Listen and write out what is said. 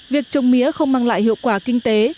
việc trồng mía không mang lại hiệu quả kinh tế